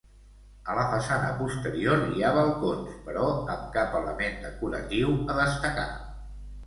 A la façana posterior hi ha balcons, però amb cap element decoratiu a destacar.